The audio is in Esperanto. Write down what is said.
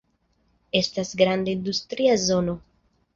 Estas granda industria zono.